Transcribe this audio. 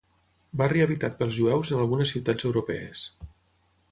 Barri habitat pels jueus en algunes ciutats europees.